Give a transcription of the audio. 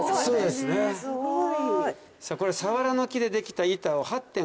すごい。